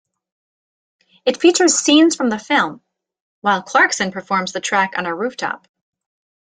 It features scenes from the film, while Clarkson performs the track on a rooftop.